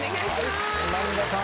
萬田さん